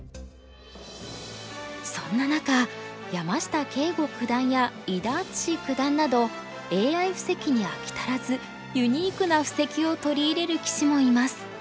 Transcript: そんな中山下敬吾九段や伊田篤史九段などＡＩ布石に飽き足らずユニークな布石を取り入れる棋士もいます。